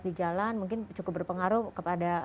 di jalan mungkin cukup berpengaruh kepada